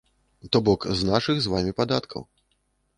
То бок, з нашых з вамі падаткаў.